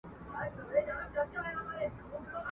د جهاني غوندي د ورځي په رڼا درځمه !.